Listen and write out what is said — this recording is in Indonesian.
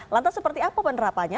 lantas seperti apa penerapannya